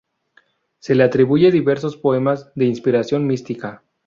Se le atribuyen diversos poemas de inspiración mística.